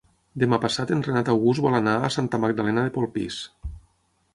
Demà passat en Renat August vol anar a Santa Magdalena de Polpís.